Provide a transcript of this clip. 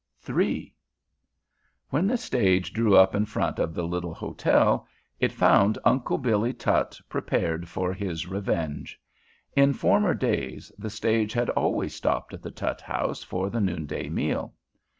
III When the stage drew up in front of the little hotel, it found Uncle Billy Tutt prepared for his revenge. In former days the stage had always stopped at the Tutt House for the noonday meal.